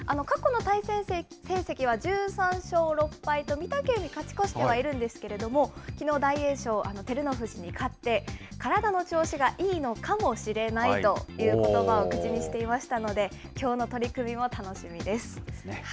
過去の対戦成績は１３勝６敗と、御嶽海、勝ち越してはいるんですけれども、きのう大栄翔、照ノ富士に勝って、体の調子がいいのかもしれないということばを口にしていましたので、きょうの取組も楽しみです。